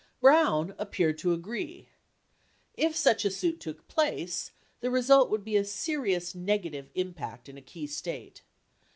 Brown appeared to agree. If such a suit took place, the re sult would be a serious negative impact in a key state.